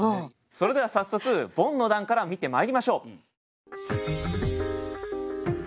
それでは早速ボンの段から見てまいりましょう。